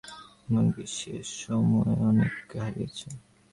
এমনকি, সে সে সময়ে অনেককে হারিয়েছে।